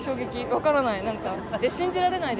分からない。